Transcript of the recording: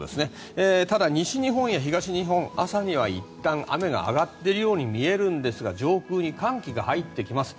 ただ、西日本や東日本朝にはいったん雨が上がっているように見えるんですが上空に寒気が入ってきます。